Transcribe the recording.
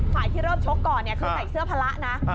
ที่เริ่มชกก่อนคือใส่เสื้อพละนะ